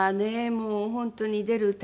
もう本当に出るたびに。